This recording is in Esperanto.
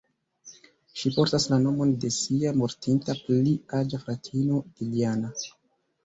Ŝi portas la nomon de sia mortinta pli aĝa fratino Liljana.